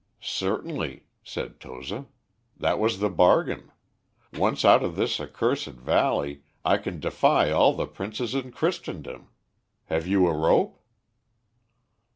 "Certainly," said Toza, "that was the bargain. Once out of this accursed valley, I can defy all the princes in Christendom. Have you a rope?"